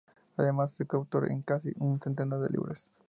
Además es coautor en casi un centenar de libros.